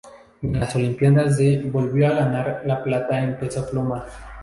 Y en las Olimpiadas de volvió a ganar la plata en peso pluma.